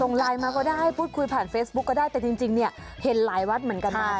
ไลน์มาก็ได้พูดคุยผ่านเฟซบุ๊คก็ได้แต่จริงเนี่ยเห็นหลายวัดเหมือนกันนะ